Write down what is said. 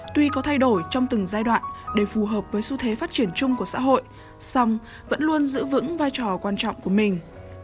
tuy có thay đổi trong từng giai đoạn để phù hợp với xu thế phát triển chung của xã hội song vẫn luôn giữ vững vai trò quan trọng của mình